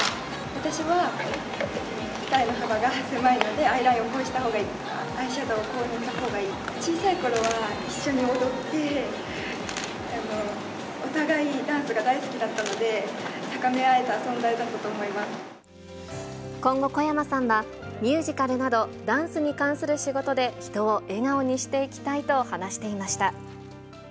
私は二重の幅が狭いので、アイラインをこうしたほうがいいとか、アイシャドーをこう塗ったほうがいいとか、小さいころは一緒に踊って、お互いにダンスが大好きだったので、高め合えた存在だった今後、小山さんはミュージカルなど、ダンスに関する仕事で人を笑顔にしていきたいと話していました。